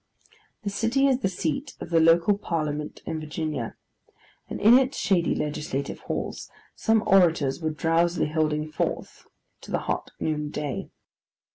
The city is the seat of the local parliament of Virginia; and in its shady legislative halls, some orators were drowsily holding forth to the hot noon day.